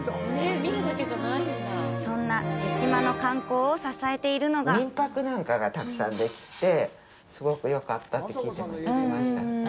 そんな豊島の観光を支えているのが民泊なんかがたくさんできてすごくよかったって聞きました。